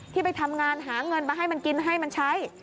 ที่ไปทำงานหาเงินมาให้มันกินให้มันใช้